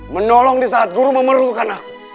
menolong disaat guru memerlukan aku